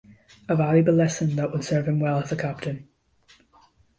A valuable lesson that would serve him well as a captain.